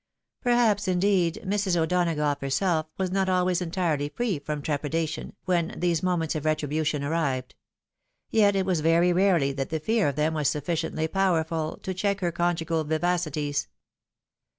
Perhaps, indeed, Mrs. O'Donagough herself, was not always entirely free from trepidation, when these moments of retribution arrived ; yet it was very rarely that . the fear of them was sufficiently powerful to check her conjugal vivacities.